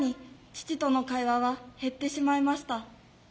父との会話は減ってしまいました。